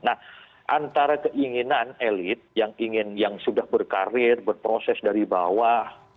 nah antara keinginan elit yang ingin yang sudah berkarir berproses dari bawah